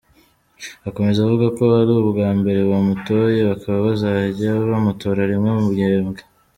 Akomeza avuga ko ari ubwa mbere bamutoye, bakaba bazajya bamutora rimwe mu gihembwe.